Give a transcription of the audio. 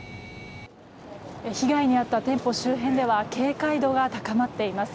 被害に遭った店舗周辺では警戒度が高まっています。